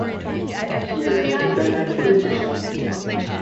She is an Independent politician.